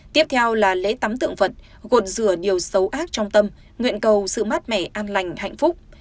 tiếp theo là lễ tắm tượng vật gột rửa nhiều xấu ác trong tâm nguyện cầu sự mát mẻ an lành hạnh phúc